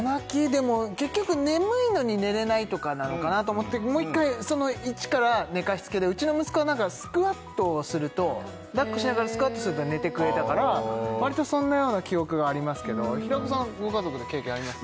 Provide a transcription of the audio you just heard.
でも結局眠いのに寝れないとかなのかなと思ってもう一回一から寝かしつけでうちの息子は何かスクワットをするとだっこしながらスクワットすると寝てくれたからわりとそんなような記憶がありますけど平子さんご家族で経験あります？